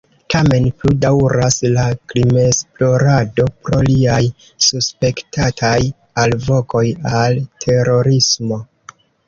Tamen plu daŭras la krimesplorado pro liaj suspektataj “alvokoj al terorismo”.